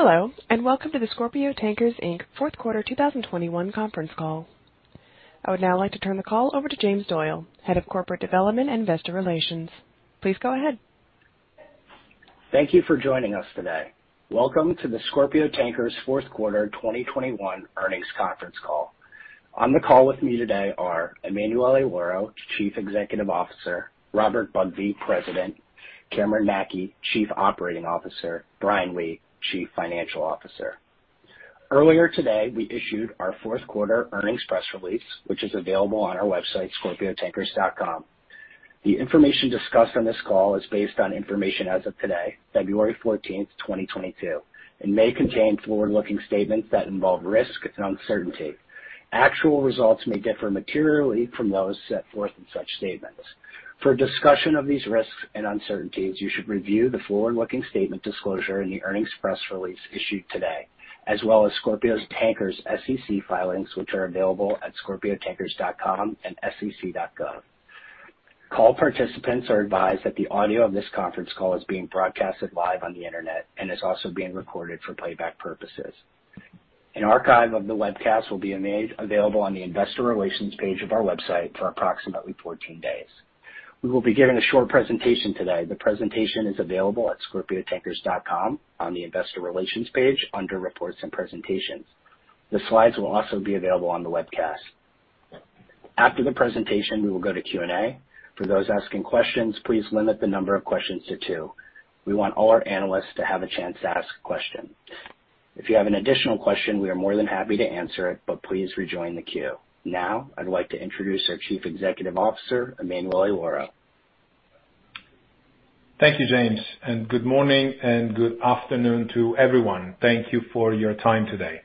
Hello, and welcome to the Scorpio Tankers Inc. fourth quarter 2021 conference call. I would now like to turn the call over to James Doyle, Head of Corporate Development and Investor Relations. Please go ahead. Thank you for joining us today. Welcome to the Scorpio Tankers fourth quarter 2021 earnings conference call. On the call with me today are Emanuele Lauro, Chief Executive Officer, Robert Bugbee, President, Cameron Mackey, Chief Operating Officer, Brian Lee, Chief Financial Officer. Earlier today, we issued our fourth quarter earnings press release, which is available on our website, scorpiotankers.com. The information discussed on this call is based on information as of today, February 14th, 2022, and may contain forward-looking statements that involve risk and uncertainty. Actual results may differ materially from those set forth in such statements. For a discussion of these risks and uncertainties, you should review the forward-looking statement disclosure in the earnings press release issued today, as well as Scorpio Tankers' SEC filings, which are available at scorpiotankers.com and sec.gov. Call participants are advised that the audio of this conference call is being broadcasted live on the Internet and is also being recorded for playback purposes. An archive of the webcast will be made available on the investor relations page of our website for approximately 14 days. We will be giving a short presentation today. The presentation is available at scorpiotankers.com on the investor relations page under Reports and Presentations. The slides will also be available on the webcast. After the presentation, we will go to Q&A. For those asking questions, please limit the number of questions to two. We want all our analysts to have a chance to ask a question. If you have an additional question, we are more than happy to answer it, but please rejoin the queue. Now, I'd like to introduce our Chief Executive Officer, Emanuele Lauro. Thank you, James, and good morning and good afternoon to everyone. Thank you for your time today.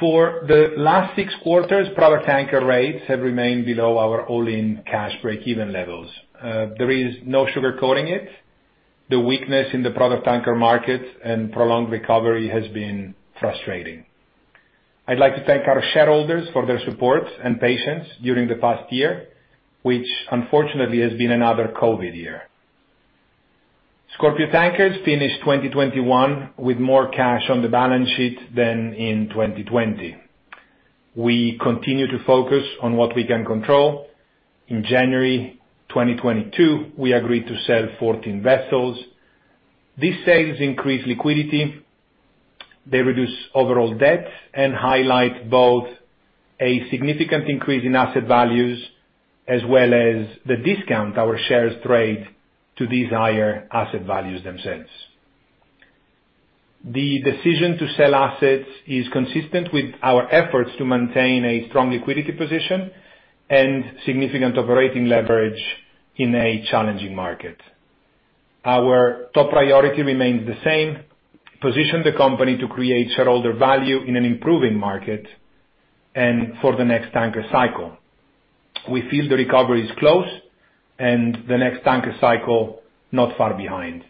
For the last six quarters, product tanker rates have remained below our all-in cash break-even levels. There is no sugarcoating it. The weakness in the product tanker market and prolonged recovery has been frustrating. I'd like to thank our shareholders for their support and patience during the past year, which unfortunately has been another COVID year. Scorpio Tankers finished 2021 with more cash on the balance sheet than in 2020. We continue to focus on what we can control. In January 2022, we agreed to sell 14 vessels. These sales increase liquidity, they reduce overall debt, and highlight both a significant increase in asset values as well as the discount our shares trade to these higher asset values themselves. The decision to sell assets is consistent with our efforts to maintain a strong liquidity position and significant operating leverage in a challenging market. Our top priority remains the same, position the company to create shareholder value in an improving market and for the next tanker cycle. We feel the recovery is close and the next tanker cycle not far behind.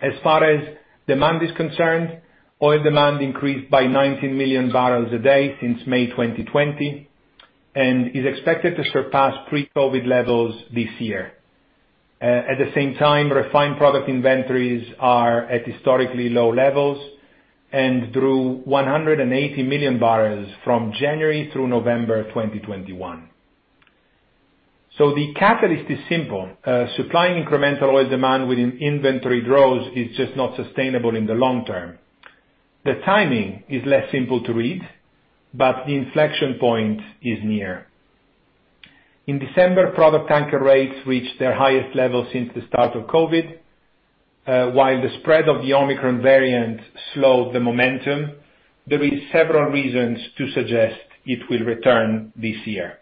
As far as demand is concerned, oil demand increased by 19 million barrels a day since May 2020, and is expected to surpass pre-COVID levels this year. At the same time, refined product inventories are at historically low levels and drew 180 million barrels from January through November of 2021. The catalyst is simple. Supplying incremental oil demand within inventory draws is just not sustainable in the long term. The timing is less simple to read, but the inflection point is near. In December, product tanker rates reached their highest level since the start of COVID. While the spread of the Omicron variant slowed the momentum, there is several reasons to suggest it will return this year.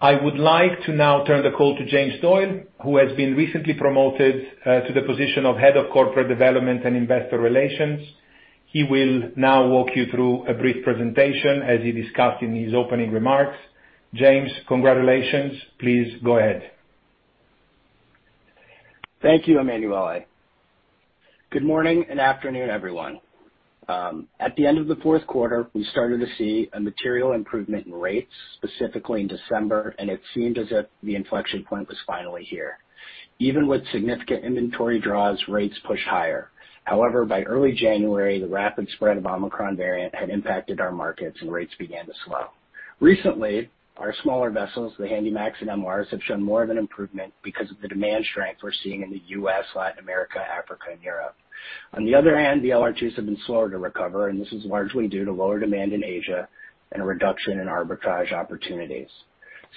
I would like to now turn the call to James Doyle, who has been recently promoted to the position of Head of Corporate Development and Investor Relations. He will now walk you through a brief presentation as he discussed in his opening remarks. James, congratulations. Please go ahead. Thank you, Emanuele. Good morning and afternoon, everyone. At the end of the fourth quarter, we started to see a material improvement in rates, specifically in December, and it seemed as if the inflection point was finally here. Even with significant inventory draws, rates pushed higher. However, by early January, the rapid spread of Omicron variant had impacted our markets and rates began to slow. Recently, our smaller vessels, the Handymax and MRs, have shown more of an improvement because of the demand strength we're seeing in the U.S., Latin America, Africa, and Europe. On the other hand, the LR2s have been slower to recover, and this is largely due to lower demand in Asia and a reduction in arbitrage opportunities.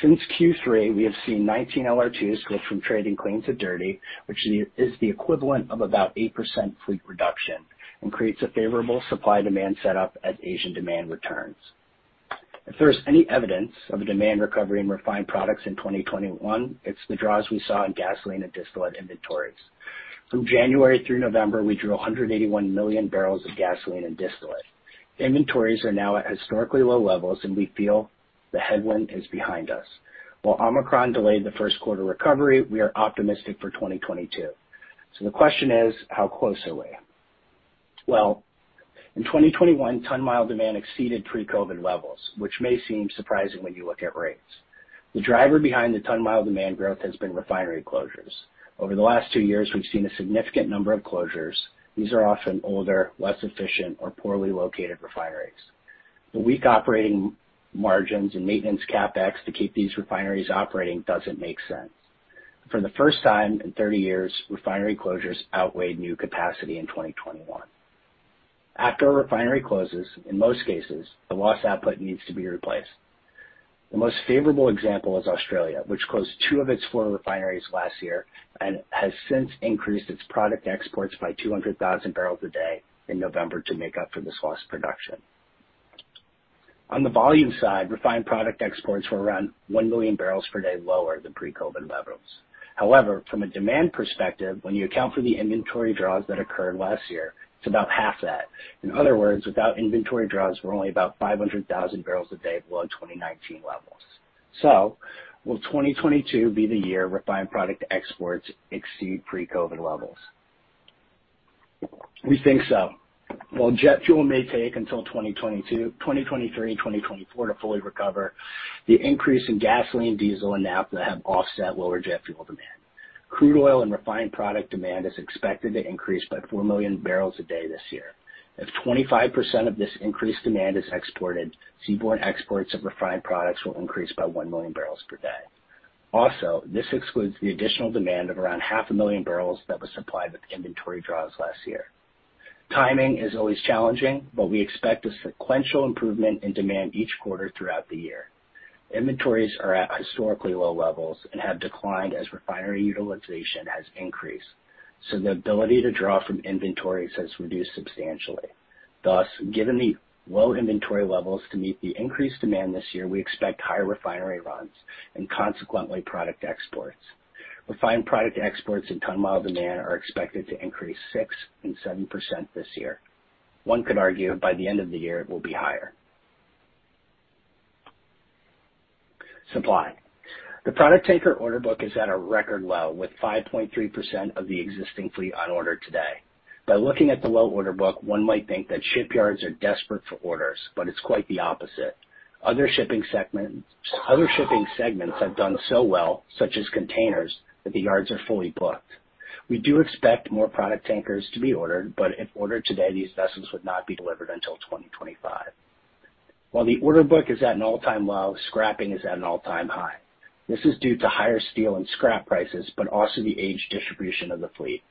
Since Q3, we have seen 19 LR2s switch from trading clean to dirty, which is the equivalent of about 8% fleet reduction and creates a favorable supply-demand setup as Asian demand returns. If there is any evidence of a demand recovery in refined products in 2021, it's the draws we saw in gasoline and distillate inventories. From January through November, we drew 181 million barrels of gasoline and distillate. Inventories are now at historically low levels, and we feel the headwind is behind us. While Omicron delayed the first quarter recovery, we are optimistic for 2022. The question is: how close are we? Well, in 2021, ton-mile demand exceeded pre-COVID levels, which may seem surprising when you look at rates. The driver behind the ton-mile demand growth has been refinery closures. Over the last two years, we've seen a significant number of closures. These are often older, less efficient or poorly located refineries. The weak operating margins and maintenance CapEx to keep these refineries operating doesn't make sense. For the first time in 30 years, refinery closures outweighed new capacity in 2021. After a refinery closes, in most cases, the lost output needs to be replaced. The most favorable example is Australia, which closed to its four refineries last year and has since increased its product exports by 200,000 barrels a day in November to make up for this lost production. On the volume side, refined product exports were around 1 million barrels per day lower than pre-COVID levels. However, from a demand perspective, when you account for the inventory draws that occurred last year, it's about half that. In other words, without inventory draws, we're only about 500,000 barrels a day below 2019 levels. Will 2022 be the year refined product exports exceed pre-COVID levels? We think so. While jet fuel may take until 2022, 2023, and 2024 to fully recover, the increase in gasoline, diesel, and naphtha have offset lower jet fuel demand. Crude oil and refined product demand is expected to increase by 4 million barrels a day this year. If 25% of this increased demand is exported, seaborne exports of refined products will increase by 1 million barrels per day. Also, this excludes the additional demand of around half a million barrels that was supplied with inventory draws last year. Timing is always challenging, but we expect a sequential improvement in demand each quarter throughout the year. Inventories are at historically low levels and have declined as refinery utilization has increased, so the ability to draw from inventories has reduced substantially. Thus, given the low inventory levels to meet the increased demand this year, we expect higher refinery runs and consequently product exports. Refined product exports and ton-mile demand are expected to increase 6% and 7% this year. One could argue by the end of the year it will be higher. Supply. The product tanker order book is at a record low, with 5.3% of the existing fleet on order today. By looking at the low order book, one might think that shipyards are desperate for orders, but it's quite the opposite. Other shipping segments have done so well, such as containers, that the yards are fully booked. We do expect more product tankers to be ordered, but if ordered today, these vessels would not be delivered until 2025. While the order book is at an all-time low, scrapping is at an all-time high. This is due to higher steel and scrap prices, but also the age distribution of the fleet.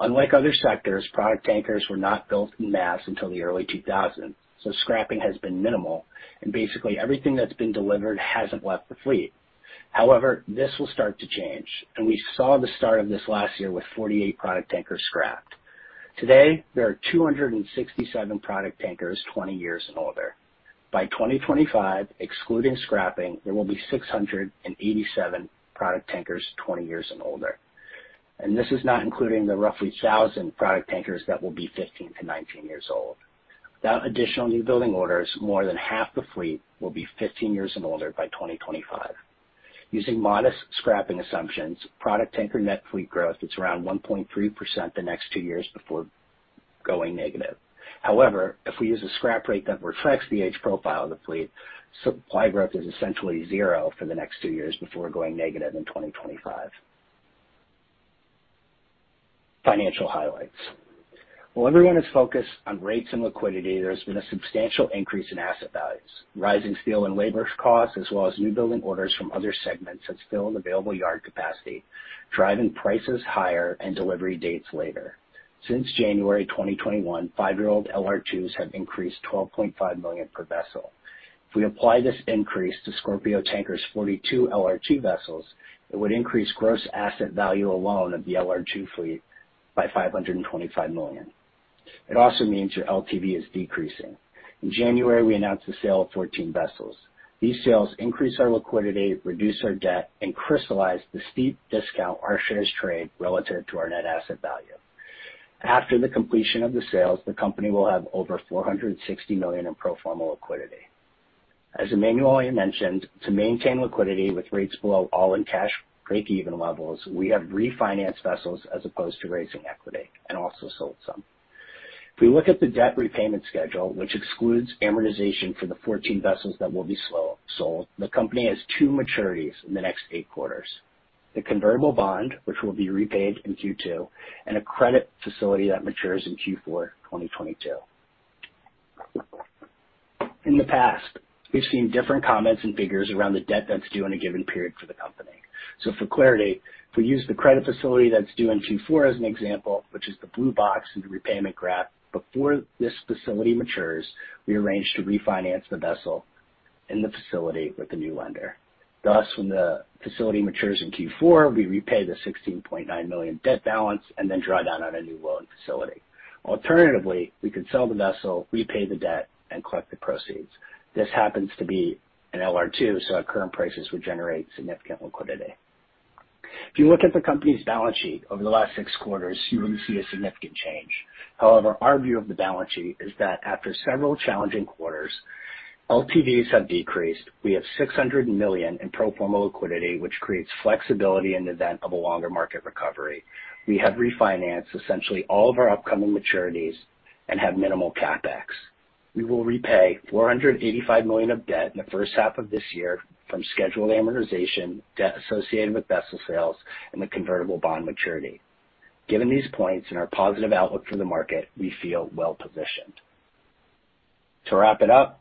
Unlike other sectors, product tankers were not built en masse until the early 2000s, so scrapping has been minimal and basically everything that's been delivered hasn't left the fleet. However, this will start to change, and we saw the start of this last year with 48 product tankers scrapped. Today, there are 267 product tankers twenty years and older. By 2025, excluding scrapping, there will be 687 product tankers twenty years and older. This is not including the roughly 1,000 product tankers that will be 15-19 years old. Without additional new building orders, more than half the fleet will be 15 years and older by 2025. Using modest scrapping assumptions, product tanker net fleet growth is around 1.3% the next two years before going negative. However, if we use a scrap rate that reflects the age profile of the fleet, supply growth is essentially zero for the next two years before going negative in 2025. Financial highlights. While everyone is focused on rates and liquidity, there's been a substantial increase in asset values, rising steel and labor costs, as well as new building orders from other segments that fill in available yard capacity, driving prices higher and delivery dates later. Since January 2021, five-year-old LR2 have increased $12.5 million per vessel. If we apply this increase to Scorpio Tankers' 42 LR2 vessels, it would increase gross asset value alone of the LR2 fleet by $525 million. It also means your LTV is decreasing. In January, we announced the sale of 14 vessels. These sales increase our liquidity, reduce our debt, and crystallize the steep discount our shares trade relative to our net asset value. After the completion of the sales, the company will have over $460 million in pro forma liquidity. As Emanuele mentioned, to maintain liquidity with rates below all-in cash break-even levels, we have refinanced vessels as opposed to raising equity and also sold some. If we look at the debt repayment schedule, which excludes amortization for the 14 vessels that will be sold, the company has two maturities in the next eight quarters: the convertible bond, which will be repaid in Q2, and a credit facility that matures in Q4 2022. In the past, we've seen different comments and figures around the debt that's due in a given period for the company. For clarity, if we use the credit facility that's due in Q4 as an example, which is the blue box in the repayment graph. Before this facility matures, we arrange to refinance the vessel in the facility with the new lender. Thus, when the facility matures in Q4, we repay the $16.9 million debt balance and then draw down on a new loan facility. Alternatively, we could sell the vessel, repay the debt and collect the proceeds. This happens to be an LR2, so our current prices would generate significant liquidity. If you look at the company's balance sheet over the last six quarters, you wouldn't see a significant change. However, our view of the balance sheet is that after several challenging quarters, LTVs have decreased. We have $600 million in pro forma liquidity, which creates flexibility in the event of a longer market recovery. We have refinanced essentially all of our upcoming maturities and have minimal CapEx. We will repay $485 million of debt in the first half of this year from scheduled amortization, debt associated with vessel sales and the convertible bond maturity. Given these points and our positive outlook for the market, we feel well-positioned. To wrap it up,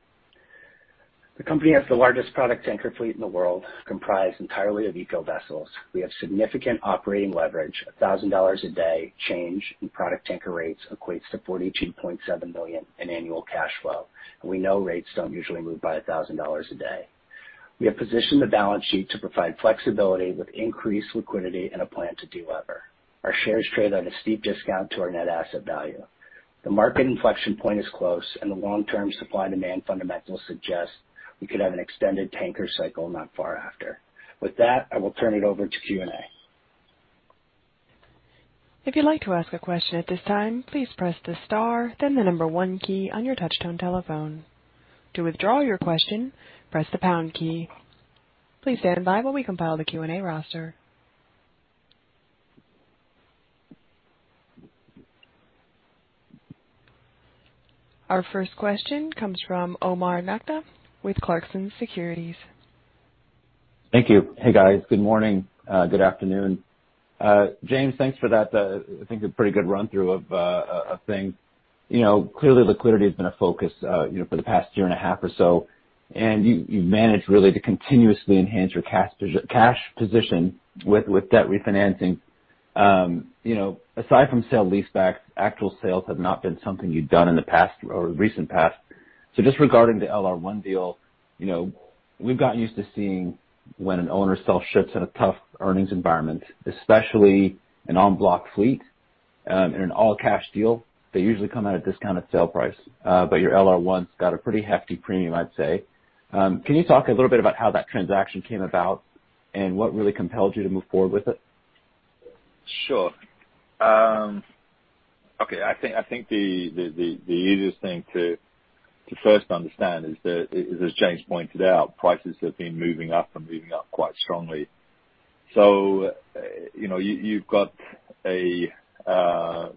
the company has the largest product tanker fleet in the world, comprised entirely of eco vessels. We have significant operating leverage. $1,000 a day change in product tanker rates equates to $42.7 million in annual cash flow, and we know rates don't usually move by $1,000 a day. We have positioned the balance sheet to provide flexibility with increased liquidity and a plan to delever. Our shares trade on a steep discount to our net asset value. The market inflection point is close, and the long-term supply-demand fundamentals suggest we could have an extended tanker cycle not far after. With that, I will turn it over to Q&A. If you like to ask Our first question comes from Omar Nokta with Clarksons Securities. Thank you. Hey, guys. Good morning. Good afternoon. James, thanks for that, I think a pretty good run-through of things. You know, clearly liquidity has been a focus, you know, for the past year and a half or so, and you've managed really to continuously enhance your cash position with debt refinancing. You know, aside from sale leasebacks, actual sales have not been something you've done in the past or recent past. Just regarding the LR1 deal, you know, we've gotten used to seeing when an owner sells ships in a tough earnings environment, especially an en bloc fleet, in an all-cash deal, they usually come at a discounted sale price. But your LR1's got a pretty hefty premium, I'd say. Can you talk a little bit about how that transaction came about and what really compelled you to move forward with it? Sure. Okay. I think the easiest thing to first understand is that, as James pointed out, prices have been moving up and moving up quite strongly. You know, you've got a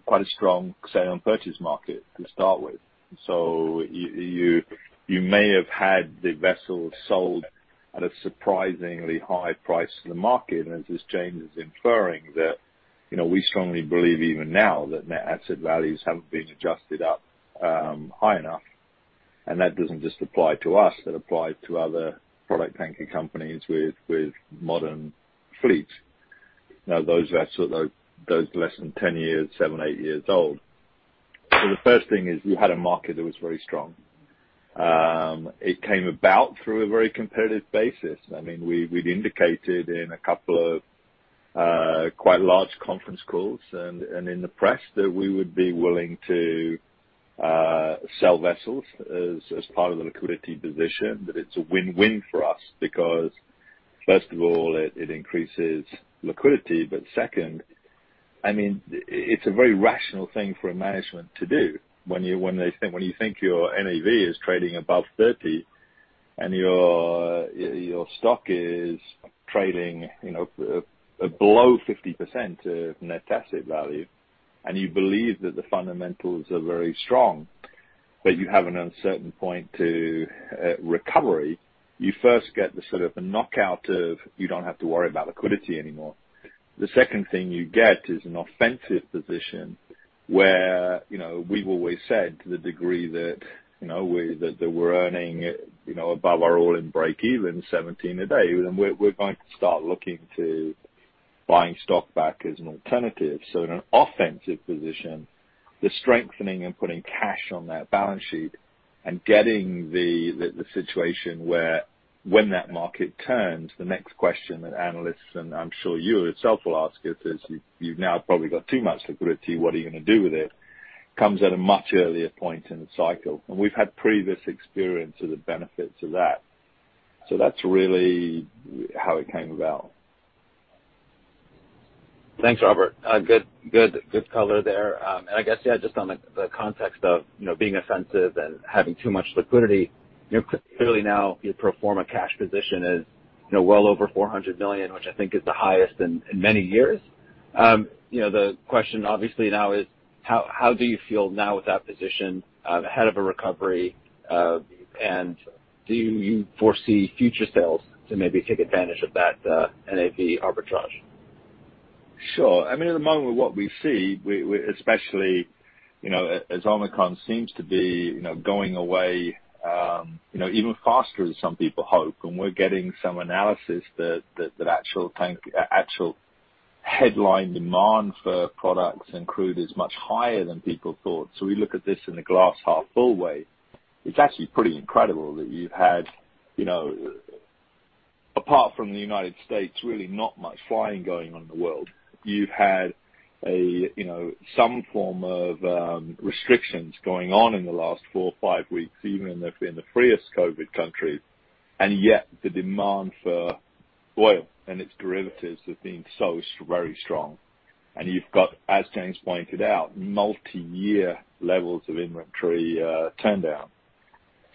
quite a strong sale and purchase market to start with. You may have had the vessels sold at a surprisingly high price to the market. As James is inferring that, you know, we strongly believe even now that net asset values haven't been adjusted up high enough. That doesn't just apply to us. It applies to other product tanker companies with modern fleets. Now, those vessels are less than 10 years, seven, eight years old. The first thing is you had a market that was very strong. It came about through a very competitive basis. I mean, we'd indicated in a couple of quite large conference calls and in the press that we would be willing to sell vessels as part of the liquidity position. That it's a win-win for us because first of all, it increases liquidity, but second, I mean, it's a very rational thing for a management to do. When you think your NAV is trading above 30 and your stock is trading, you know, below 50% of net asset value, and you believe that the fundamentals are very strong, but you have an uncertain point to recovery, you first get the sort of a knockout of you don't have to worry about liquidity anymore. The second thing you get is an offensive position where, you know, we've always said to the degree that, you know, that we're earning, you know, above our all-in breakeven, $17 a day, then we're going to start looking to buying stock back as an alternative. In an offensive position, the strengthening and putting cash on that balance sheet and getting the situation where when that market turns, the next question that analysts, and I'm sure you yourself will ask it, is you've now probably got too much liquidity. What are you gonna do with it? It comes at a much earlier point in the cycle. We've had previous experience of the benefits of that. That's really how it came about. Thanks, Robert. Good color there. I guess, yeah, just on the context of, you know, being offensive and having too much liquidity, you know, clearly now your pro forma cash position is, you know, well over $400 million, which I think is the highest in many years. You know, the question obviously now is how do you feel now with that position ahead of a recovery and do you foresee future sales to maybe take advantage of that NAV arbitrage? Sure. I mean, at the moment what we see, we especially, you know, as Omicron seems to be, you know, going away, even faster than some people hope, and we're getting some analysis that actual headline demand for products and crude is much higher than people thought. We look at this in a glass half full way. It's actually pretty incredible that you've had, you know, apart from the United States, really not much flying going on in the world. You've had some form of restrictions going on in the last four or five weeks, even in the freest COVID countries. Yet the demand for oil and its derivatives have been so very strong. You've got, as James pointed out, multi-year levels of inventory turndown.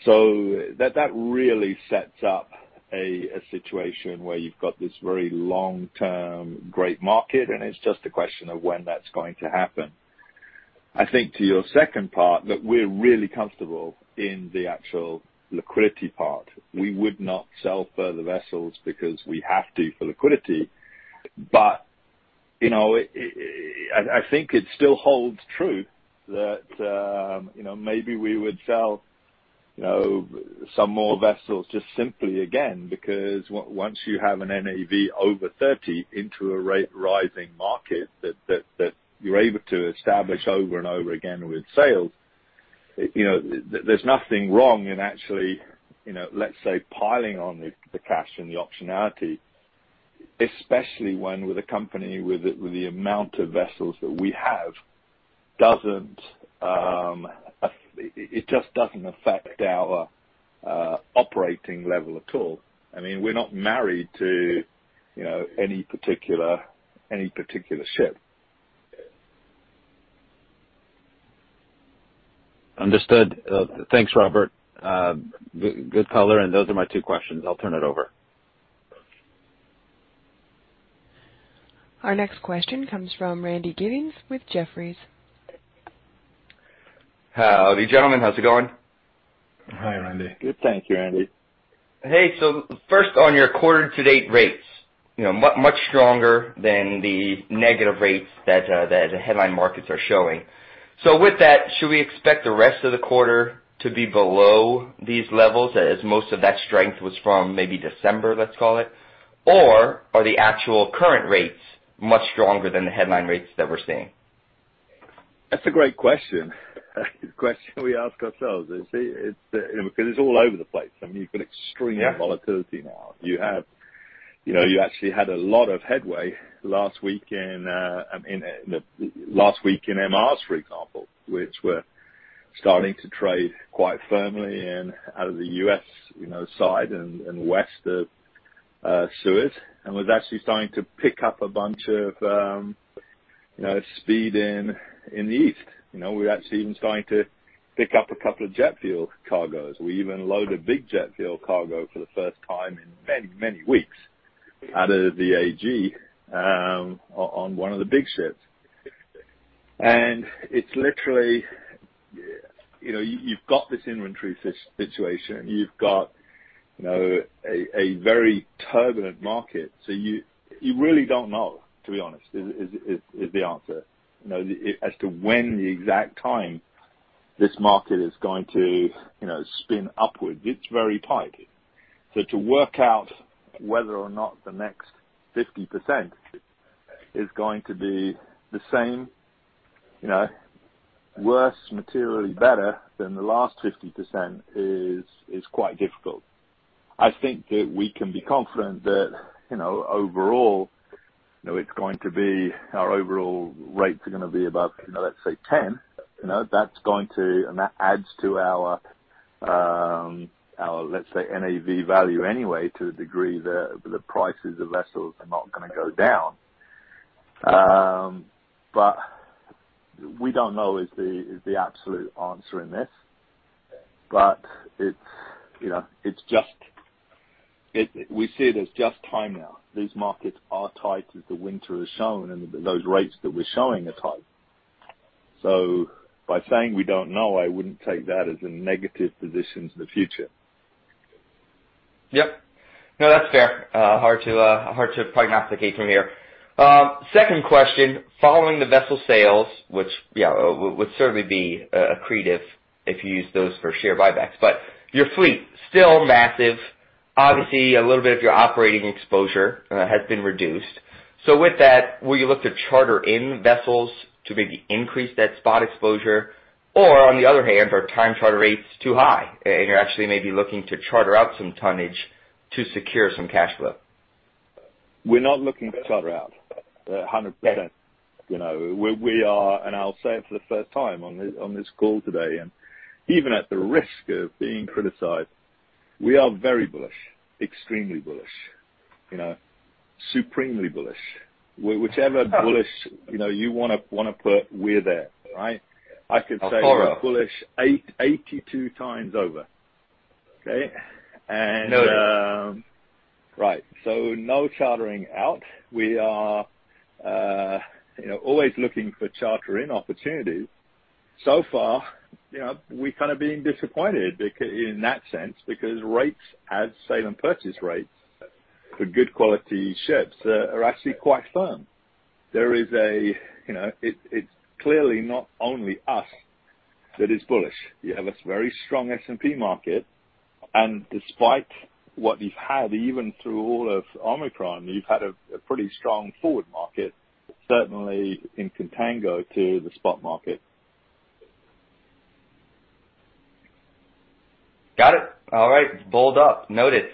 That really sets up a situation where you've got this very long-term great market, and it's just a question of when that's going to happen. I think to your second part, that we're really comfortable in the actual liquidity part. We would not sell further vessels because we have to for liquidity. I think it still holds true that you know, maybe we would sell you know, some more vessels just simply again, because once you have an NAV over 30 into a rate-rising market that you're able to establish over and over again with sales, you know, there's nothing wrong in actually you know, let's say, piling on the cash and the optionality, especially when with a company with the amount of vessels that we have, it just doesn't affect our operating level at all. I mean, we're not married to you know, any particular ship. Understood. Thanks, Robert. Good color, and those are my two questions. I'll turn it over. Our next question comes from Randy Giveans with Jefferies. Howdy, gentlemen. How's it going? Hi, Randy. Good, thank you, Randy. Hey, first on your quarter to date rates. You know, much stronger than the negative rates that the headline markets are showing. With that, should we expect the rest of the quarter to be below these levels, as most of that strength was from maybe December, let's call it? Or are the actual current rates much stronger than the headline rates that we're seeing? That's a great question. Question we ask ourselves. You see, it's because it's all over the place. I mean, you've got extreme. Yeah. Volatility now. You have. You know, you actually had a lot of headway last week in the last week in MRs, for example, which were starting to trade quite firmly in out of the U.S., you know, side and west of Suez, and was actually starting to pick up a bunch of, you know, speed in the east. You know, we're actually even starting to pick up a couple of jet fuel cargoes. We even loaded a big jet fuel cargo for the first time in many, many weeks out of the AG, on one of the big ships. It's literally, you know. You've got this inventory situation, you've got, you know, a very turbulent market. You really don't know, to be honest, is the answer, you know, as to when the exact time this market is going to, you know, spin upward. It's very tight. To work out whether or not the next 50% is going to be the same, you know, worse, materially better than the last 50% is quite difficult. I think that we can be confident that, you know, overall, you know, it's going to be our overall rates are gonna be above, you know, let's say 10. You know, that's going to, and that adds to our, let's say, NAV value anyway, to a degree, the prices of vessels are not gonna go down. We don't know is the absolute answer in this. It's, you know, just. We see it as just time now. These markets are tight as the winter has shown, and those rates that we're showing are tight. By saying we don't know, I wouldn't take that as a negative position to the future. Yep. No, that's fair. Hard to prognosticate from here. Second question, following the vessel sales, which, yeah, would certainly be accretive if you use those for share buybacks. Your fleet, still massive. Obviously a little bit of your operating exposure has been reduced. With that, will you look to charter in vessels to maybe increase that spot exposure? Or on the other hand, are time charter rates too high, and you're actually maybe looking to charter out some tonnage to secure some cash flow? We're not looking to charter out 100%. You know, we are, and I'll say it for the first time on this call today, and even at the risk of being criticized, we are very bullish, extremely bullish, you know, supremely bullish. Whichever bullish, you know, you wanna put, we're there, right? A horror. I could say we're bullish 82 times over. Okay? Noted. Right. No chartering out. We are, you know, always looking for charter in opportunities. So far, you know, we've kind of been disappointed in that sense, because rates as sale and purchase rates for good quality ships are actually quite firm. There is, you know. It's clearly not only us that is bullish. You have a very strong S&P market. Despite what you've had, even through all of Omicron, you've had a pretty strong forward market, certainly in contango to the spot market. Got it. All right. Bulled up. Noted.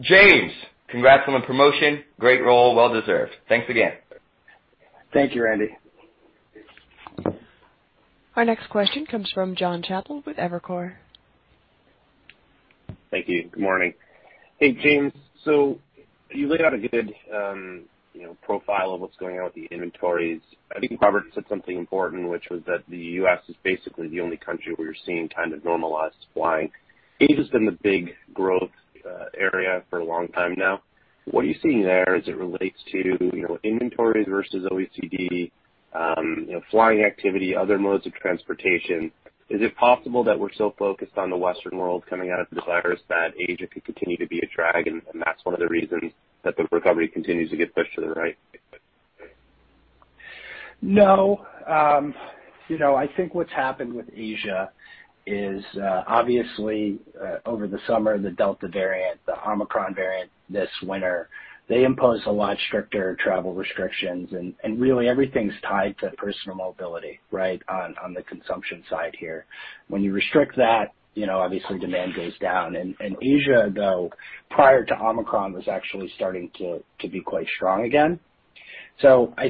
James, congrats on the promotion. Great role. Well deserved. Thanks again. Thank you, Randy. Our next question comes from Jonathan Chappell with Evercore. Thank you. Good morning. Hey, James. You laid out a good profile of what's going on with the inventories. I think Robert said something important, which was that the U.S. is basically the only country where you're seeing kind of normalized flying. Asia has been the big growth area for a long time now. What are you seeing there as it relates to inventories versus OECD flying activity, other modes of transportation? Is it possible that we're so focused on the Western world coming out of this virus that Asia could continue to be a drag, and that's one of the reasons that the recovery continues to get pushed to the right? No. You know, I think what's happened with Asia is obviously over the summer the Delta variant, the Omicron variant this winter, they impose a lot stricter travel restrictions and really everything's tied to personal mobility, right on the consumption side here. When you restrict that, you know, obviously demand goes down. Asia, though, prior to Omicron, was actually starting to be quite strong again. I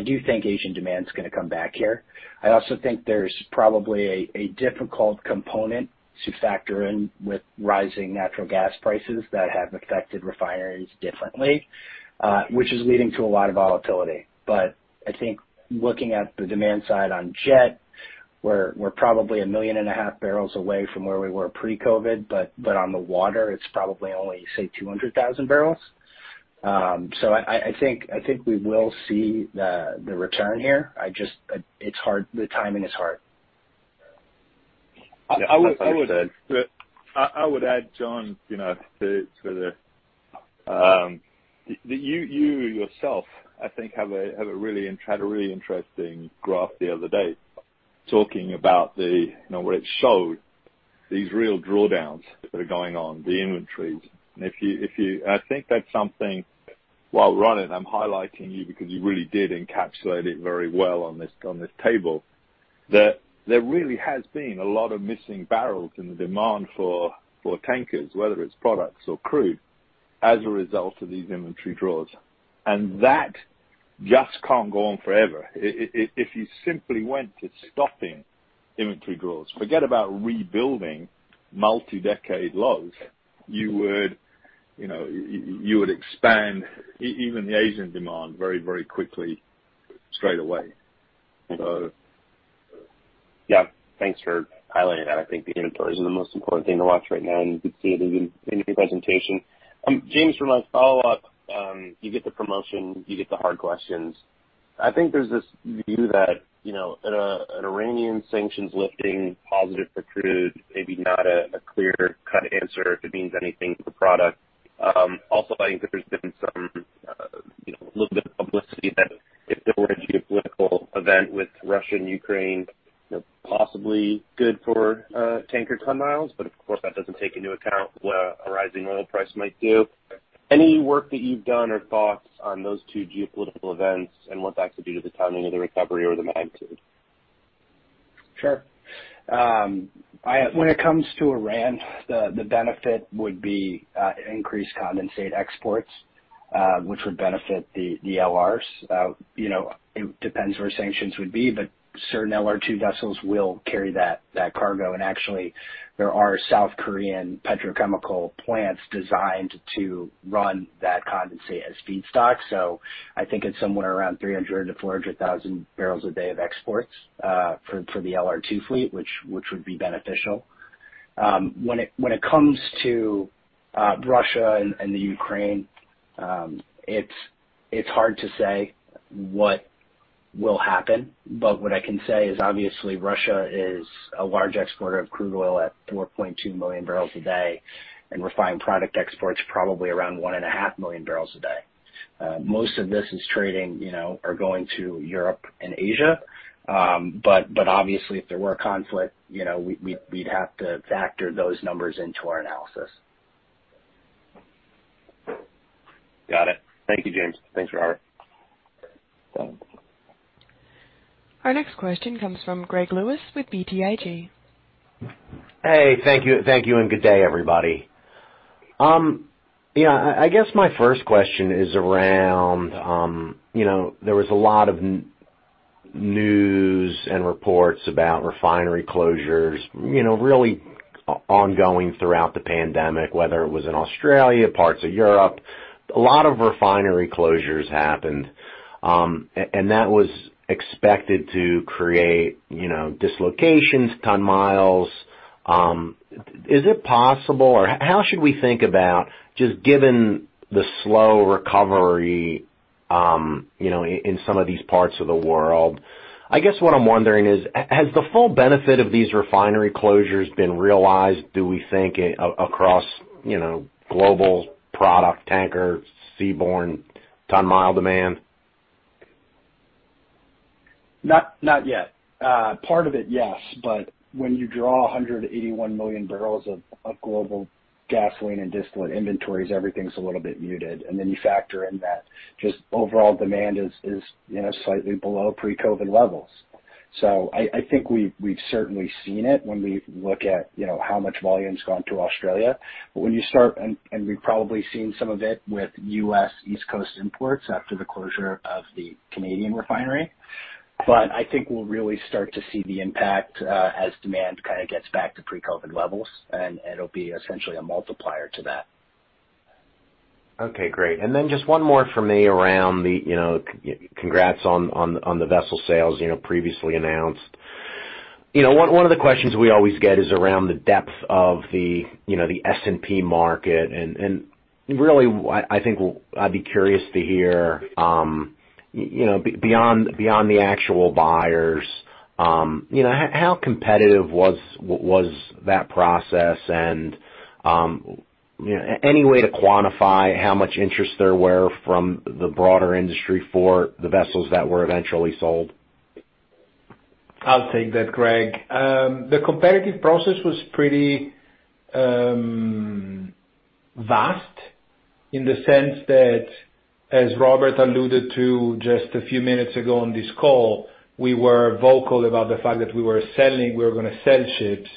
do think Asian demand is gonna come back here. I also think there's probably a difficult component to factor in with rising natural gas prices that have affected refineries differently, which is leading to a lot of volatility. I think looking at the demand side on jet, we're probably 1.5 million barrels away from where we were pre-COVID, but on the water it's probably only, say, 200,000 barrels. I think we will see the return here. It's hard. The timing is hard. Yeah. I would add, Jon, you know, to that you yourself, I think, have a really interesting graph the other day talking about the you know what it showed, these real drawdowns that are going on, the inventories. I think that's something. While running, I'm highlighting you because you really did encapsulate it very well on this table, that there really has been a lot of missing barrels in the demand for tankers, whether it's products or crude, as a result of these inventory draws. That just can't go on forever. If you simply went to stopping inventory draws, forget about rebuilding multi-decade lows, you would, you know, you would expand even the Asian demand very, very quickly, straight away, you know? Yeah. Thanks for highlighting that. I think the inventories are the most important thing to watch right now, and you can see it in your presentation. James, for my follow-up, you get the promotion, you get the hard questions. I think there's this view that, you know, an Iranian sanctions lifting positive for crude, maybe not a clear cut answer if it means anything for product. Also I think that there's been some, you know, little bit of publicity that if there were a geopolitical event with Russia and Ukraine, you know, possibly good for tanker ton-miles. But of course, that doesn't take into account what a rising oil price might do. Any work that you've done or thoughts on those two geopolitical events and what that could do to the timing of the recovery or the magnitude? Sure. When it comes to Iran, the benefit would be increased condensate exports, which would benefit the LRs. You know, it depends where sanctions would be, but certain LR2 vessels will carry that cargo. Actually, there are South Korean petrochemical plants designed to run that condensate as feedstock. So I think it's somewhere around 300-400 thousand barrels a day of exports for the LR2 fleet, which would be beneficial. When it comes to Russia and the Ukraine, it's hard to say what will happen, but what I can say is obviously Russia is a large exporter of crude oil at 4.2 million barrels a day, and refined product exports probably around 1.5 million barrels a day. Most of this is trading, you know, or going to Europe and Asia. Obviously, if there were a conflict, you know, we'd have to factor those numbers into our analysis. Got it. Thank you, James. Thanks, Robert. Our next question comes from Gregory Lewis with BTIG. Hey, thank you and good day, everybody. Yeah, I guess my first question is around, you know, there was a lot of news and reports about refinery closures, you know, really ongoing throughout the pandemic, whether it was in Australia, parts of Europe. A lot of refinery closures happened, and that was expected to create, you know, dislocations, ton-miles. Is it possible or how should we think about just given the slow recovery, you know, in some of these parts of the world? I guess what I'm wondering is, has the full benefit of these refinery closures been realized, do we think, across, you know, global product tanker, seaborne ton-mile demand? Not yet. Part of it, yes, but when you draw 181 million barrels of global gasoline and distillate inventories, everything's a little bit muted. Then you factor in that just overall demand is, you know, slightly below pre-COVID levels. I think we've certainly seen it when we look at, you know, how much volume's gone to Australia. We've probably seen some of it with U.S. East Coast imports after the closure of the Canadian refinery. I think we'll really start to see the impact as demand kinda gets back to pre-COVID levels, and it'll be essentially a multiplier to that. Okay, great. Then just one more from me around the, you know, congrats on the vessel sales, you know, previously announced. You know, one of the questions we always get is around the depth of the, you know, the S&P market. Really, what I think will, I'd be curious to hear, you know, beyond the actual buyers, you know, how competitive was that process and, any way to quantify how much interest there were from the broader industry for the vessels that were eventually sold? I'll take that, Greg. The competitive process was pretty vast in the sense that, as Robert alluded to just a few minutes ago on this call, we were vocal about the fact that we were selling, we were gonna sell ships,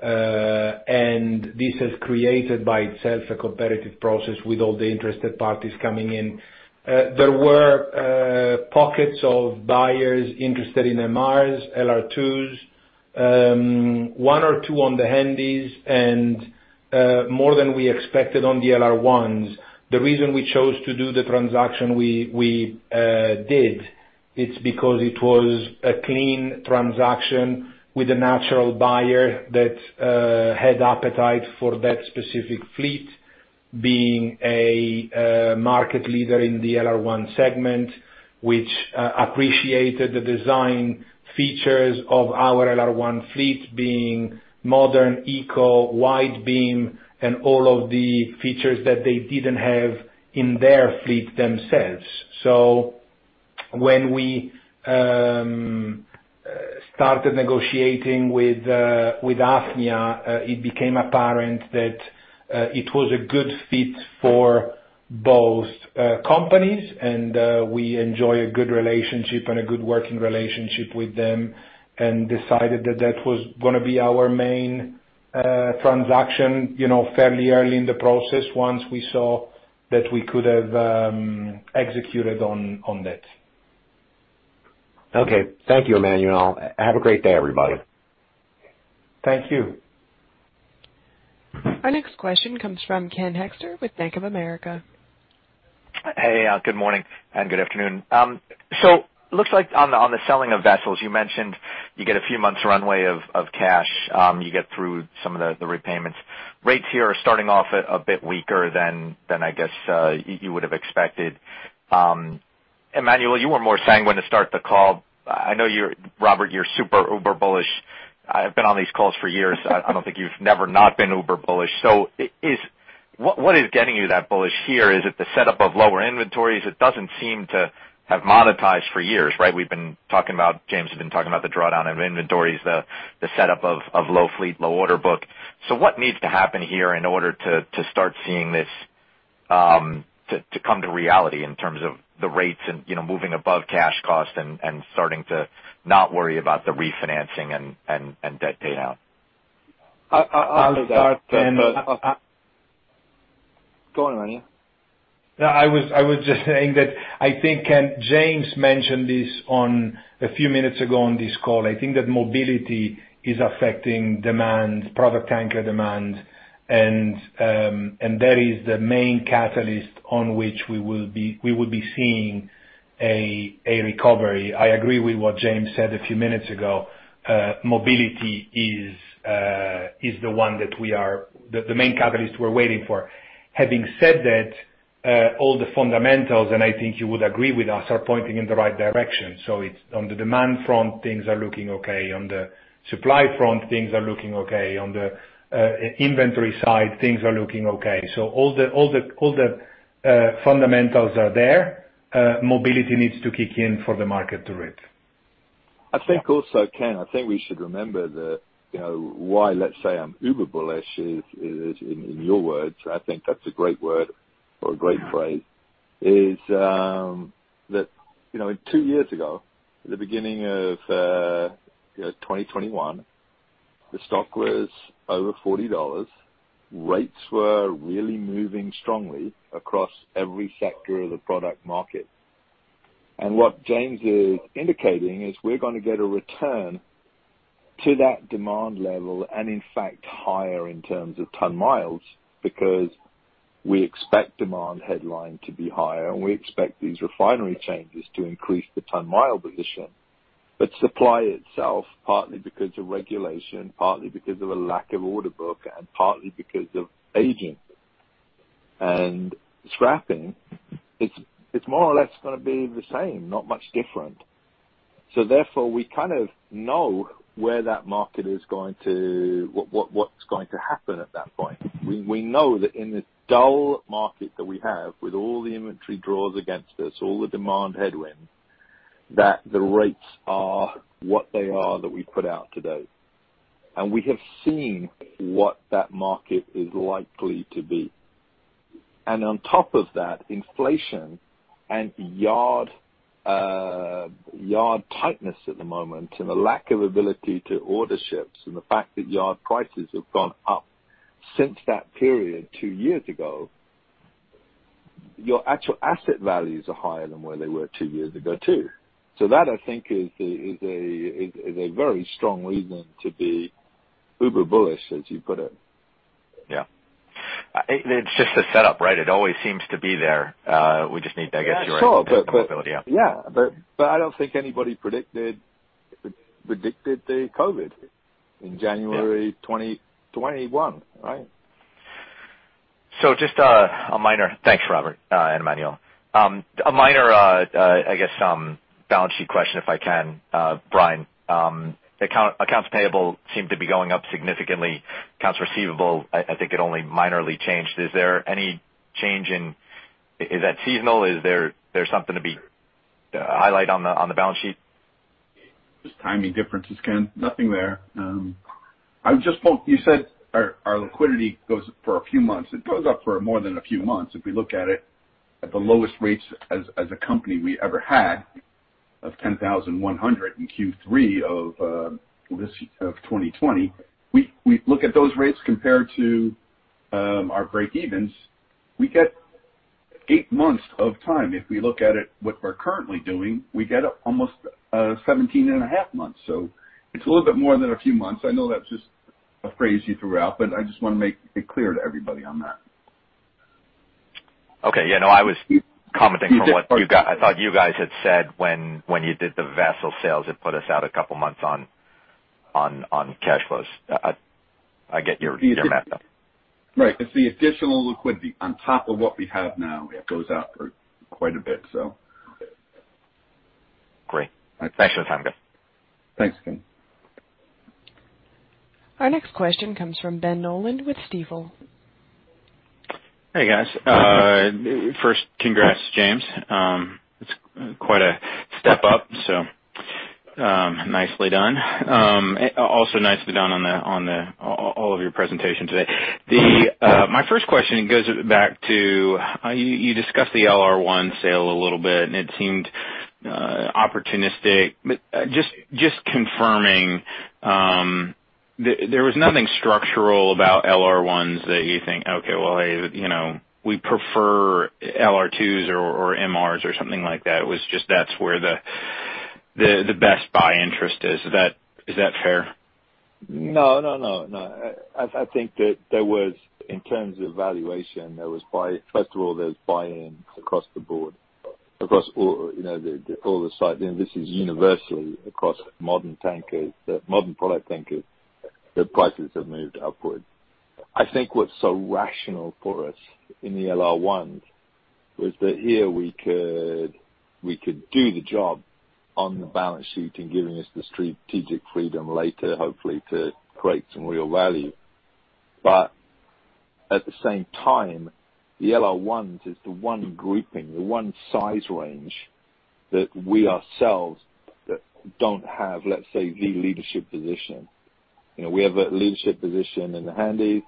and this has created by itself a competitive process with all the interested parties coming in. There were pockets of buyers interested in MRs, LR2s, one or two on the Handys and more than we expected on the LR1s. The reason we chose to do the transaction we did, it's because it was a clean transaction with a natural buyer that had appetite for that specific fleet being a market leader in the LR1 segment, which appreciated the design features of our LR1 fleet being modern, eco, wide beam, and all of the features that they didn't have in their fleet themselves. When we started negotiating with Hafnia, it became apparent that it was a good fit for both companies, and we enjoy a good relationship and a good working relationship with them and decided that that was gonna be our main transaction, you know, fairly early in the process once we saw that we could have executed on that. Okay. Thank you, Emanuele. Have a great day, everybody. Thank you. Our next question comes from Ken Hoexter with Bank of America. Hey, good morning and good afternoon. Looks like on the selling of vessels, you mentioned you get a few months runway of cash, you get through some of the repayments. Rates here are starting off a bit weaker than I guess you would have expected. Emanuele, you were more sanguine to start the call. I know you're Robert, you're super uber bullish. I've been on these calls for years. I don't think you've never not been uber bullish. What is getting you that bullish here? Is it the setup of lower inventories? It doesn't seem to have monetized for years, right? We've been talking about, James has been talking about the drawdown of inventories, the setup of low fleet, low order book. What needs to happen here in order to start seeing this come to reality in terms of the rates and, you know, moving above cash cost and debt paydown? I'll start. Go on, Emanuele. No, I was just saying that I think, Ken, James mentioned this a few minutes ago on this call. I think that mobility is affecting demand, product tanker demand, and that is the main catalyst on which we will be seeing a recovery. I agree with what James said a few minutes ago. Mobility is the main catalyst we're waiting for. Having said that, all the fundamentals, and I think you would agree with us, are pointing in the right direction. It's on the demand front, things are looking okay, on the supply front, things are looking okay, on the inventory side, things are looking okay. All the fundamentals are there. Mobility needs to kick in for the market to rip. I think also, Ken, I think we should remember that, you know, why let's say I'm uber bullish is in your words, I think that's a great word or a great phrase, is that, you know, two years ago, at the beginning of, you know, 2021, the stock was over $40. Rates were really moving strongly across every sector of the product market. What James is indicating is we're gonna get a return to that demand level and in fact higher in terms of ton-miles, because we expect demand headline to be higher, and we expect these refinery changes to increase the ton-mile position. Supply itself, partly because of regulation, partly because of a lack of order book, and partly because of aging and scrapping, it's more or less gonna be the same, not much different. Therefore, we kind of know what's going to happen at that point. We know that in this dull market that we have, with all the inventory draws against us, all the demand headwinds, that the rates are what they are that we put out today. We have seen what that market is likely to be. On top of that, inflation and yard tightness at the moment and the lack of ability to order ships and the fact that yard prices have gone up since that period two years ago, your actual asset values are higher than where they were two years ago, too. That I think is a very strong reason to be uber bullish, as you put it. Yeah. It's just a setup, right? It always seems to be there. We just need, I guess, the right capability. Sure. Yeah. I don't think anybody predicted the COVID in January 2021, right? Thanks, Robert, and Emanuele. A minor, I guess, balance sheet question, if I can, Brian. Accounts payable seem to be going up significantly. Accounts receivable, I think it only minorly changed. Is there any change in? Is that seasonal? Is there something to be highlighted on the balance sheet? Just timing differences, Ken. Nothing there. I just want. You said our liquidity goes for a few months. It goes up for more than a few months if we look at it at the lowest rates as a company we ever had of $10,100 in Q3 of 2020. We look at those rates compared to our breakevens. We get eight months of time. If we look at it, what we're currently doing, we get almost 17.5 months. It's a little bit more than a few months. I know that's just a phrase you threw out, but I just wanna make it clear to everybody on that. Okay. Yeah, no, I thought you guys had said when you did the vessel sales, it put us out a couple months on cash flows. I get your math now. Right. It's the additional liquidity on top of what we have now. It goes up for quite a bit, so. Great. Thanks for the time, guys. Thanks, Ken. Our next question comes from Ben Nolan with Stifel. Hey, guys. First, congrats, James. It's quite a step up, so nicely done. Also nicely done on all of your presentation today. My first question goes back to you. You discussed the LR1 sale a little bit, and it seemed opportunistic. Just confirming, there was nothing structural about LR1s that you think, "Okay, well, you know, we prefer LR2s or MRs or something like that." It was just that's where the best buy interest is. Is that fair? No, no, no. I think that there was, in terms of valuation. First of all, there's buy-in across the board, across all, you know, all the size. This is universal across modern tankers, modern product tankers, the prices have moved upward. I think what's so rational for us in the LR1 was that here we could do the job on the balance sheet in giving us the strategic freedom later, hopefully to create some real value. At the same time, the LR1s is the one grouping, the one size range that we ourselves that don't have, let's say, the leadership position. You know, we have a leadership position in the Handys,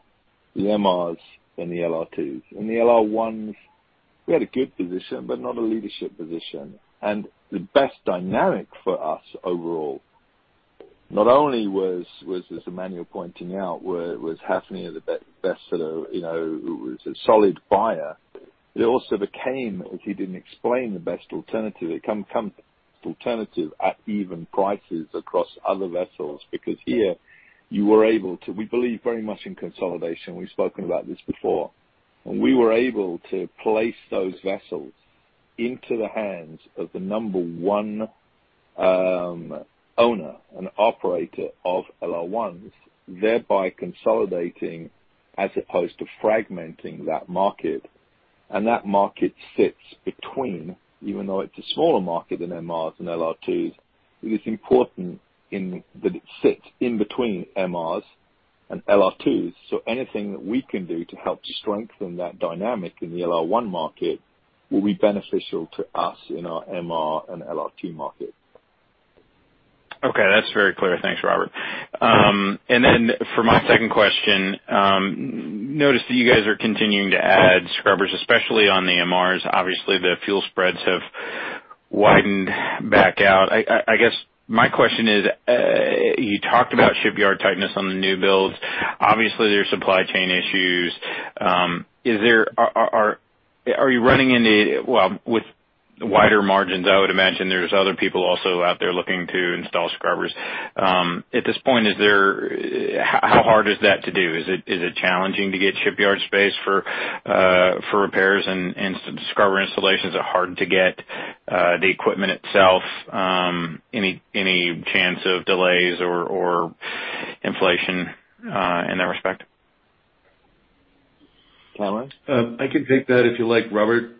the MRs and the LR2s. In the LR1s we had a good position, but not a leadership position. The best dynamic for us overall not only was, as Emanuele pointing out, Hafnia the best, you know, was a solid buyer. It also became, as he didn't explain, the best alternative at even prices across other vessels because here you were able to. We believe very much in consolidation. We've spoken about this before. We were able to place those vessels into the hands of the number one owner and operator of LR1s, thereby consolidating as opposed to fragmenting that market. That market sits between, even though it's a smaller market than MRs and LR2s, it is important in that it sits in between MRs and LR2s. Anything that we can do to help to strengthen that dynamic in the LR1 market will be beneficial to us in our MR and LR2 market. Okay. That's very clear. Thanks, Robert. For my second question, I noticed that you guys are continuing to add scrubbers, especially on the MRs. Obviously, the fuel spreads have widened back out. I guess my question is, you talked about shipyard tightness on the new builds. Obviously, there's supply chain issues. Are you running into... Well, with wider margins, I would imagine there's other people also out there looking to install scrubbers. At this point, how hard is that to do? Is it challenging to get shipyard space for repairs and scrubber installations? Is it hard to get the equipment itself? Any chance of delays or inflation in that respect? Manuel? I can take that if you like, Robert.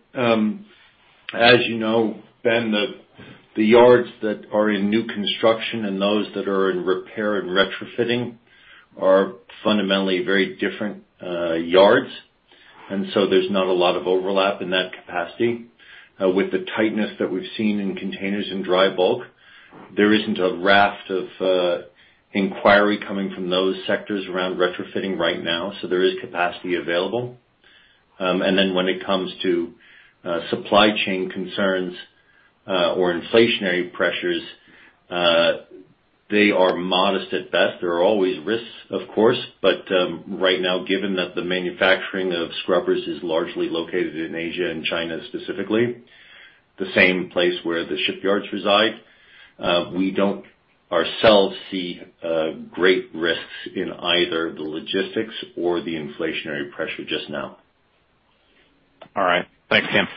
As you know, Ben, the yards that are in new construction and those that are in repair and retrofitting are fundamentally very different yards. There's not a lot of overlap in that capacity. With the tightness that we've seen in containers in dry bulk, there isn't a raft of inquiry coming from those sectors around retrofitting right now, so there is capacity available. When it comes to supply chain concerns or inflationary pressures, they are modest at best. There are always risks, of course, but right now, given that the manufacturing of scrubbers is largely located in Asia and China specifically, the same place where the shipyards reside, we don't ourselves see great risks in either the logistics or the inflationary pressure just now. All right. Thanks, James.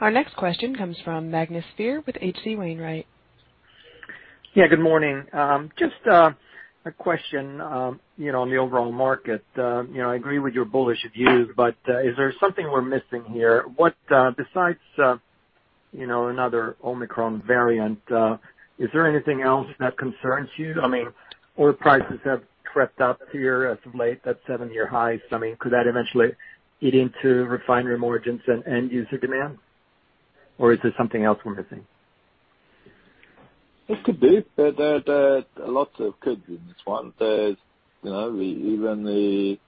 Our next question comes from Frode Morkedal with H.C. Wainwright. Yeah, good morning. Just a question, you know, on the overall market. You know, I agree with your bullish views, but is there something we're missing here? What, besides, you know, another Omicron variant, is there anything else that concerns you? I mean, oil prices have crept up here as of late, at seven-year highs. I mean, could that eventually eat into refinery margins and end user demand, or is there something else we're missing? It could be. There's a lot of could's in this one. There's, you know, even the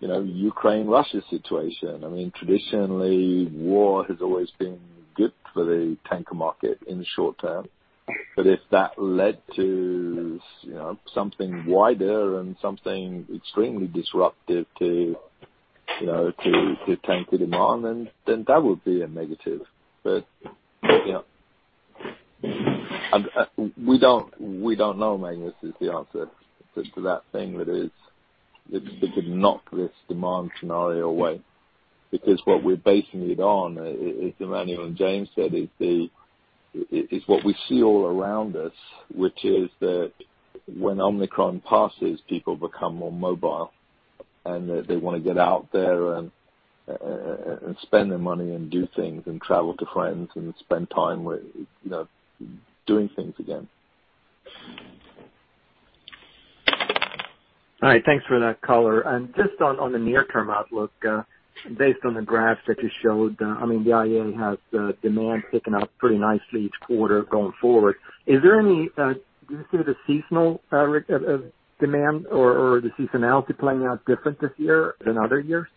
Ukraine-Russia situation. I mean, traditionally, war has always been good for the tanker market in the short term. If that led to, you know, something wider and something extremely disruptive to, you know, to tanker demand, then that would be a negative. We don't know, Frode, is the answer to that thing that could knock this demand scenario away. Because what we're basing it on, as Emanuele and James said, is what we see all around us, which is that when Omicron passes, people become more mobile, and that they wanna get out there and spend their money and do things and travel to friends and spend time with, you know, doing things again. All right. Thanks for that color. Just on the near-term outlook, based on the graphs that you showed, I mean, the IEA has demand picking up pretty nicely each quarter going forward. Is there any do you see the seasonal demand or the seasonality playing out different this year than other years?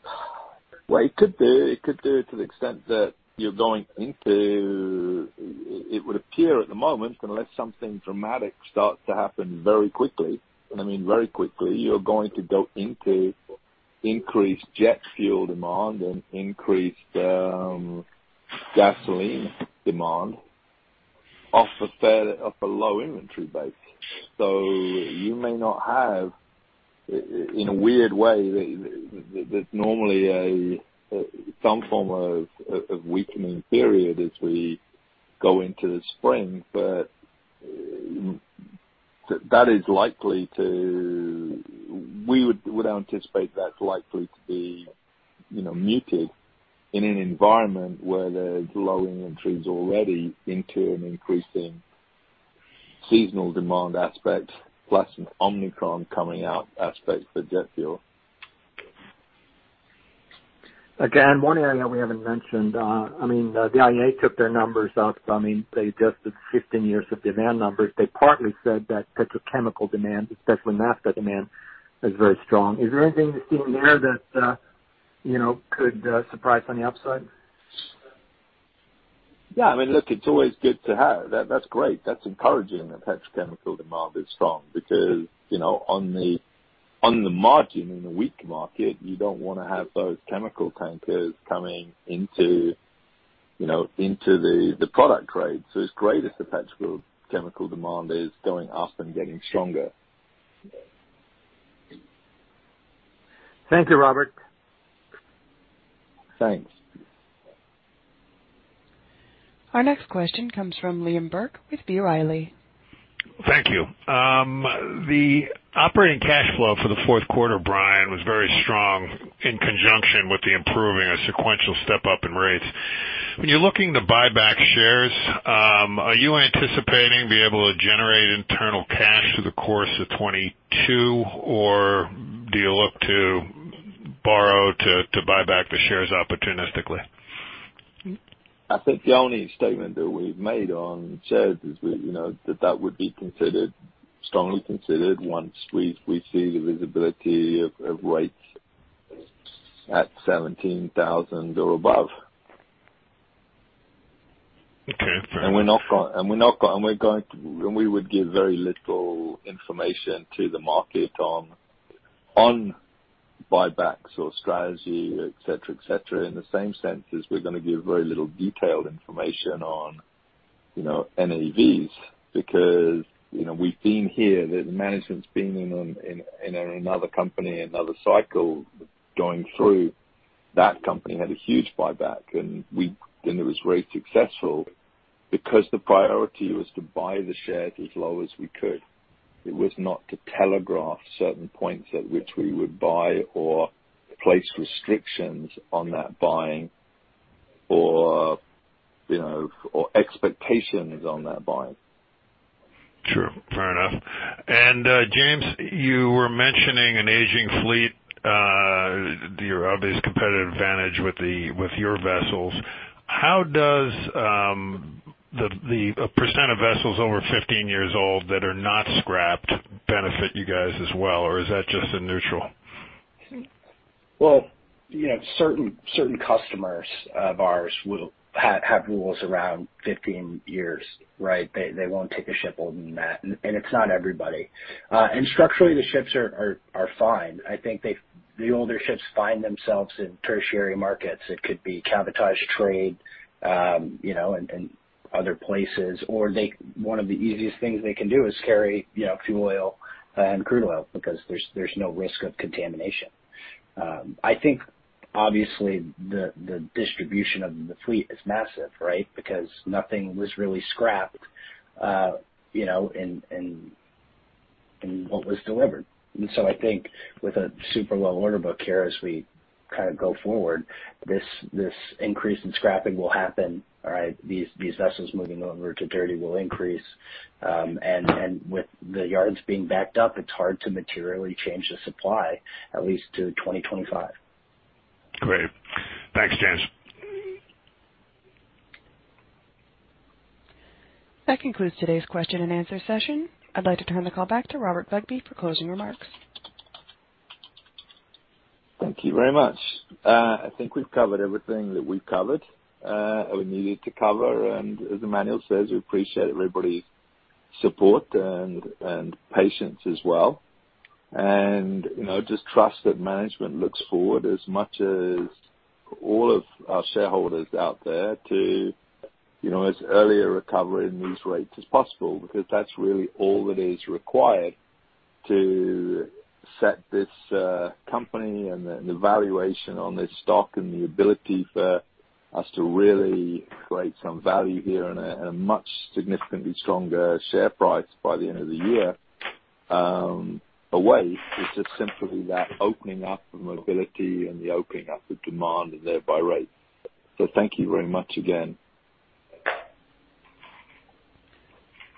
Well, it could do to the extent that you're going into it would appear at the moment, unless something dramatic starts to happen very quickly, and I mean very quickly, you're going to go into increased jet fuel demand and increased gasoline demand off a low inventory base. You may not have in a weird way, there's normally some form of weakening period as we go into the spring, but that is likely to we would anticipate that's likely to be, you know, muted in an environment where there's low inventories already into an increasing seasonal demand aspect, plus an Omicron coming out aspect for jet fuel. Again, one area we haven't mentioned. I mean, the IEA took their numbers up. I mean, they adjusted 15 years of demand numbers. They partly said that petrochemical demand, especially naphtha demand, is very strong. Is there anything you're seeing there that you know could surprise on the upside? Yeah. I mean, look, it's always good to have that. That's great. That's encouraging that petrochemical demand is strong because, you know, on the margin, in a weak market, you don't wanna have those chemical tankers coming into, you know, the product grade. So it's great if the petrochemical demand is going up and getting stronger. Thank you, Robert. Thanks. Our next question comes from Liam Burke with B. Riley. Thank you. The operating cash flow for the fourth quarter, Brian, was very strong in conjunction with the improving or sequential step up in rates. When you're looking to buy back shares, are you anticipating being able to generate internal cash through the course of 2022, or do you look to borrow to buy back the shares opportunistically? I think the only statement that we've made on shares is that, you know, that would be considered, strongly considered once we see the visibility of rates at $17,000 or above. Okay. Fair enough. We would give very little information to the market on buybacks or strategy, et cetera, et cetera, in the same sense as we're gonna give very little detailed information on, you know, NAVs. Because, you know, we've been here. The management's been in another company, another cycle going through. That company had a huge buyback, and it was very successful because the priority was to buy the shares as low as we could. It was not to telegraph certain points at which we would buy or place restrictions on that buying or, you know, or expectations on that buying. Sure. Fair enough. James, you were mentioning an aging fleet, your obvious competitive advantage with your vessels. How does the percent of vessels over 15 years old that are not scrapped benefit you guys as well, or is that just a neutral? Well, you know, certain customers of ours will have rules around 15 years, right? They won't take a ship older than that. It's not everybody. Structurally the ships are fine. I think the older ships find themselves in tertiary markets. It could be cabotage trade, you know, and other places. Or one of the easiest things they can do is carry, you know, fuel oil and crude oil because there's no risk of contamination. I think obviously the distribution of the fleet is massive, right? Because nothing was really scrapped, you know, and what was delivered. I think with a super low order book here, as we kind of go forward, this increase in scrapping will happen. All right? These vessels moving over to dirty will increase. With the yards being backed up, it's hard to materially change the supply at least to 2025. Great. Thanks, James. That concludes today's question and answer session. I'd like to turn the call back to Robert Bugbee for closing remarks. Thank you very much. I think we've covered everything that we've covered, or we needed to cover. As Emanuele says, we appreciate everybody's support and patience as well. You know, just trust that management looks forward as much as all of our shareholders out there to, you know, as early a recovery in these rates as possible, because that's really all that is required to set this company and the valuation on this stock and the ability for us to really create some value here and a much significantly stronger share price by the end of the year, a way is just simply that opening up of mobility and the opening up of demand and thereby rates. Thank you very much again.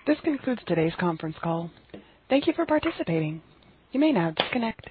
This concludes today's conference call. Thank you for participating. You may now disconnect.